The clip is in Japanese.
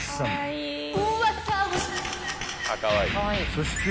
［そして］